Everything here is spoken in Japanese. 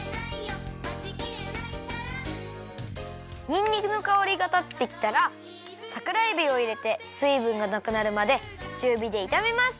にんにくのかおりがたってきたらさくらえびをいれてすいぶんがなくなるまでちゅうびでいためます！